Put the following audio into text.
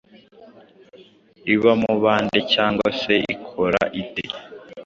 Ibamo bande cyangwa se Ikora ite